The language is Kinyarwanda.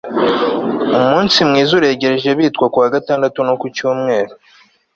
umunsi mwiza uregereje bitwa ku wa gatandatu no ku cyumweru